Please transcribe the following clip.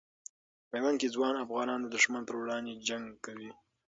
میوند کې ځوان افغانان د دښمن پر وړاندې جنګ کوي.